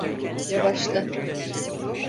Yavaşla.